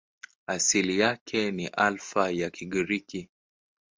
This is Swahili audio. Asili yake ni Alfa ya Kigiriki.